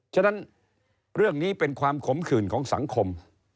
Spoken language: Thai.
ฉะนั้นเรื่องนี้เป็นความขมขื่นของสังคม